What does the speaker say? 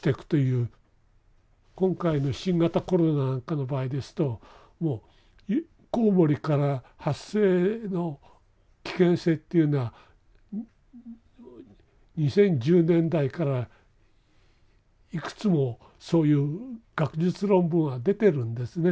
今回の新型コロナなんかの場合ですとコウモリから発生の危険性というのは２０１０年代からいくつもそういう学術論文は出てるんですね。